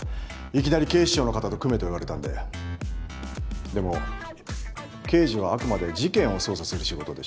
いきなり警視庁の方と組めと言われたんででも刑事はあくまで事件を捜査する仕事でしょう